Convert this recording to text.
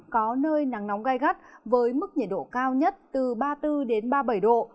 có nơi nắng nóng gai gắt với mức nhiệt độ cao nhất từ ba mươi bốn ba mươi bảy độ